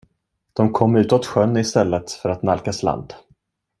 De kom utåt sjön i stället för att nalkas land.